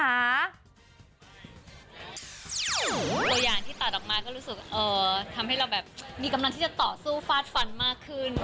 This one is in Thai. ตัวอย่างที่ตัดออกมาก็รู้สึกทำให้เราแบบมีกำลังที่จะต่อสู้ฟาดฟันมากขึ้น